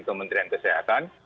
dari kementerian kesehatan